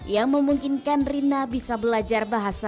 yang memungkinkan rina bisa belajar bahasa